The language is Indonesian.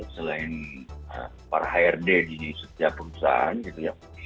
selain para hrd di setiap perusahaan gitu ya